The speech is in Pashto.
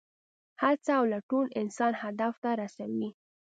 هڅه او لټون انسان هدف ته رسوي.